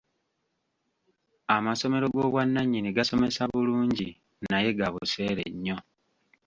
Amasomero g'obwannannyini gasomesa bulungi naye ga buseere nnyo.